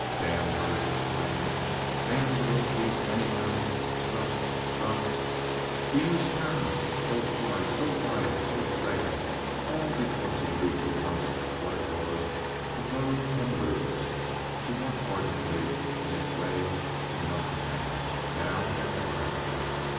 "D— her!" he exclaimed. "D— the little beast, anyhow! The ——! The ——!" He used terms so hard, so vile, so sad, all because he knew for once what it was to love and lose—to want ardently in his way and not to have—now or ever after.